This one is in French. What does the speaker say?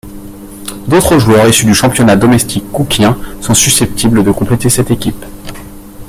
D'autres joueurs issu du championnat domestique cookien sont susceptibles de compléter cette équipe.